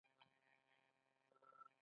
دوی په پښتو هم خپرونې کوي.